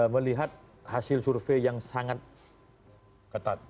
melihat hasil survei yang sangat ketat